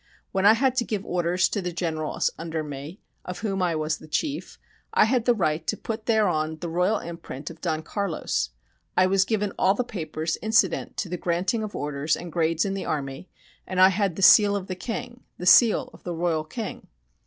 "When I had to give orders to the generals under me, of whom I was the chief, I had the right to put thereon the royal imprint of Don Carlos. I was given all the papers incident to the granting of orders and grades in the army, and I had the seal of the King the seal of the Royal King."